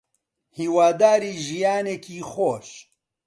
هیواداری ژیانێکی خۆش